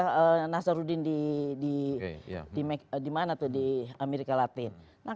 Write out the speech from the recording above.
masalah nasarudin di amerika latin